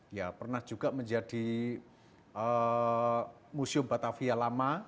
ya pernah juga menjadi museum batavia lama